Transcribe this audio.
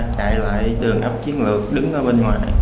chạy lại tường ấp chiến lược đứng ở bên ngoài